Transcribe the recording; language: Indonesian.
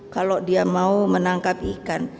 kalau dia mau menangkap ikan